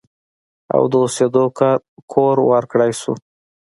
او د اوسېدو کور ورکړی شو